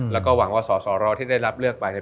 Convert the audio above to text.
แล้วก็หวังว่าสสรที่ได้รับเลือกไปเนี่ย